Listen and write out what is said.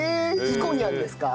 ひこにゃんですか？